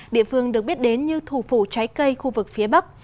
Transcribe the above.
địa phương được biết đến như thủ phủ trái cây khu vực phía bắc